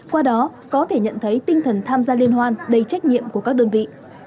qua đó có thể nhận thấy tinh thần tham gia liên hoan đầy trách nhiệm của các đơn vị